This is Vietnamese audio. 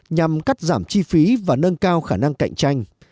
nhằm cắt giảm chi phí và nâng cao khả năng cạnh tranh